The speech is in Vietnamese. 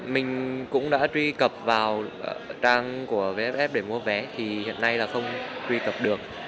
mình cũng đã truy cập vào trang của vff để mua vé thì hiện nay là không truy cập được